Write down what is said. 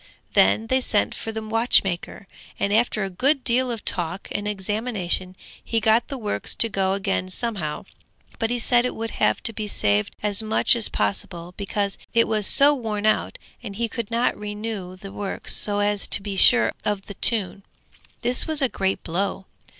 Then they sent for the watchmaker, and after a good deal of talk and examination he got the works to go again somehow; but he said it would have to be saved as much as possible, because it was so worn out, and he could not renew the works so as to be sure of the tune. This was a great blow!